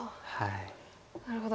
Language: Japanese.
なるほど。